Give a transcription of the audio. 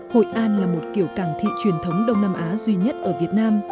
hội an là một kiểu cảng thị truyền thống đông nam á duy nhất ở việt nam